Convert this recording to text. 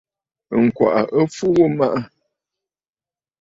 Ŋ̀gwàʼà ɨ fu ghu maʼà.